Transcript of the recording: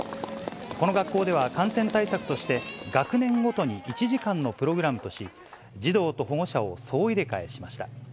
この学校では感染対策として、学年ごとに１時間のプログラムとし、児童と保護者を総入れ替えしました。